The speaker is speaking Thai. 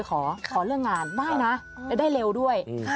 ขอเรื่องงานได้นะแล้วได้เร็วด้วย